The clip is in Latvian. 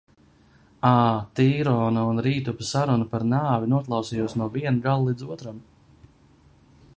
Ā, Tīrona un Rītupa sarunu par nāvi noklausījos no viena gala līdz otram.